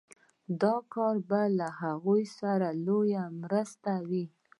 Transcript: دا کار به له هغوی سره لويه مرسته وي